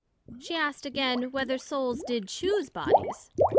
she asked again, Whether Souls did chuse Bodies?